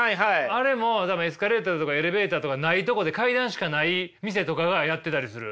あれも多分エスカレーターとかエレベーターとかないとこで階段しかない店とかがやってたりする。